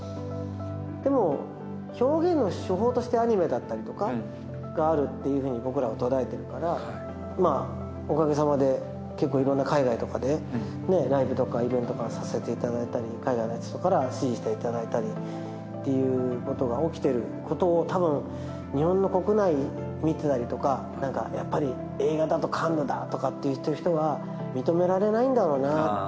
でも表現の手法としてアニメだったりとかがあるっていうふうに僕らは捉えてるからまあおかげさまで結構いろんな海外とかでねライブとかイベントとかさせていただいたり海外の人から支持していただいたりっていうことが起きてることをたぶん日本の国内見てたりとかやっぱり映画だとカンヌだとかって言ってる人は認められないんだろうなって。